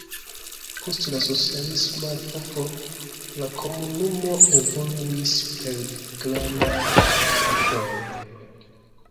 Post la socialisma epoko, la komunumo evoluis per grandaj paŝoj.